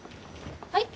はい？